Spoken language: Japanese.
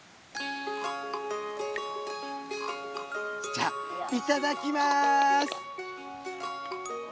じゃあいただきます。